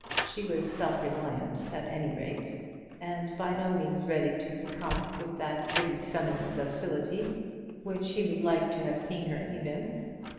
She was self reliant, at any rate, and by no means ready to succumb with that pretty feminine docility which he would like to have seen her evince.